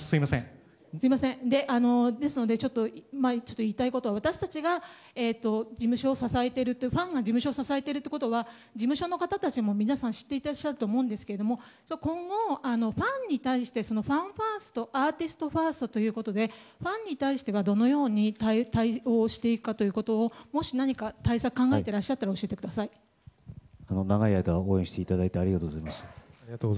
ですので言いたいことは私たちが事務所を支えているということは事務所の方たちも皆さん知っていらっしゃると思うんですが今後ファンに対してファンファーストアーティストファーストということでファンに対してはどのように対応していくかもし何か対策を考えていらっしゃるのであれば長い間応援していただいてありがとうございます。